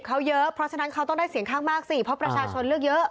ครั้งนั้นเขาต้องได้เสี่ยงข้างมากสิเพราะประชาชนเลือกเยอะ